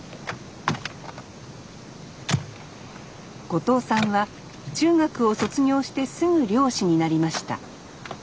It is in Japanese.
後藤さんは中学を卒業してすぐ漁師になりました。